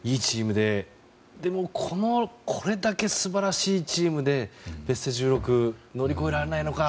でもこれだけ素晴らしいチームでベスト１６乗り越えられないのか。